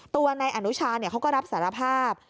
ตัวนายอนุชาเขาก็รับสารภาพ